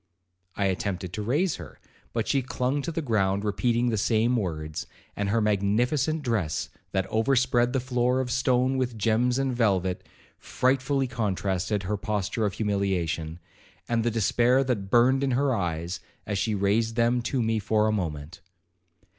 I attempted to raise her, but she clung to the ground, repeating the same words; and her magnificent dress, that overspread the floor of stone with gems and velvet, frightfully contrasted her posture of humiliation, and the despair that burned in her eyes, as she raised them to me for a moment.